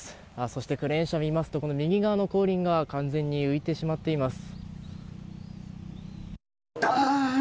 そしてクレーン車を見ますと右側の後輪が完全に浮いてしまっています。